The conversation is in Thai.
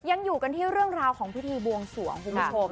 ยังอยู่กันที่เรื่องราวของพิธีบวงสวงคุณผู้ชม